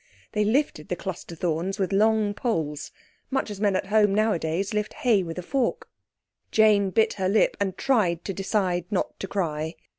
They lifted the cluster thorns with long poles—much as men at home, nowadays, lift hay with a fork. Jane bit her lip and tried to decide not to cry.